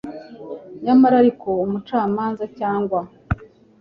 Nyamara ariko umucamanza cyangwa